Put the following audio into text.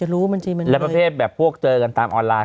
แล้วแบบพวกเจอกันตามออนไลน์